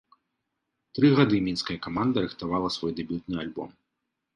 Тры гады мінская каманда рыхтавала свой дэбютны альбом.